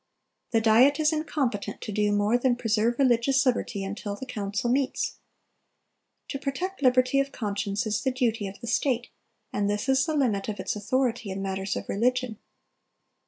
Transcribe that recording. The Diet is incompetent to do more than preserve religious liberty until the council meets."(291) To protect liberty of conscience is the duty of the state, and this is the limit of its authority in matters of religion.